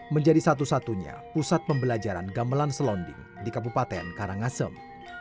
menjadi satu satunya pusat pembelajaran gamelan selonding di kabupaten karangasem